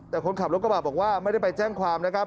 แต่คนขับรถกระบะบอกว่าไม่ได้ไปแจ้งความนะครับ